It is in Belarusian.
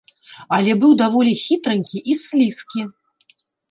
Але быў даволі хітранькі і слізкі.